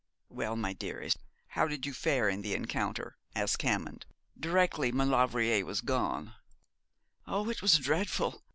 'Well, my dearest, how did you fare in the encounter?' asked Hammond, directly Maulevrier was gone. 'Oh, it was dreadful!